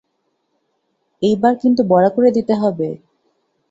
এইবাব কিন্তু বড়া করে দিতে হবে।